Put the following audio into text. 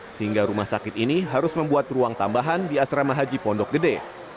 sehingga rumah sakit ini harus membuat ruang tambahan di asrama haji pondok gede